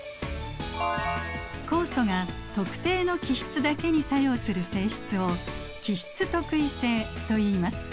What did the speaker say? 酵素が特定の基質だけに作用する性質を基質特異性といいます。